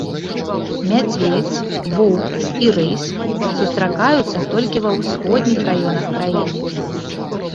Мядзведзь, воўк і рысь сустракаюцца толькі ва ўсходніх раёнах краіны.